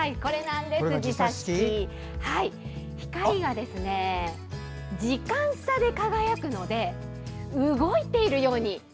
光が時間差で輝くので動いているように。